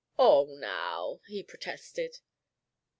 "Oh, now " he protested.